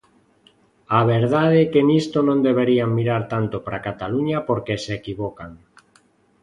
A verdade é que nisto non deberían mirar tanto para Cataluña porque se equivocan.